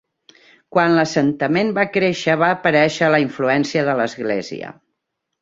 Quan l'assentament va créixer va aparèixer la influència de l'església.